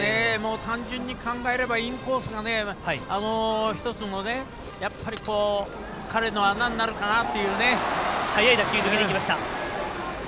単純に考えればインコースが１つの彼の穴になるかなというね。